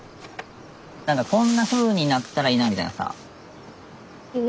何かこんなふうになったらいいなみたいなさ。